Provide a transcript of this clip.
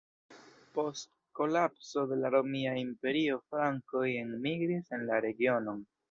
Post kolapso de la Romia Imperio frankoj enmigris en la regionon.